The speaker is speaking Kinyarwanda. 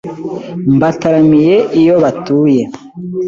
mbataramiye iyo batuye.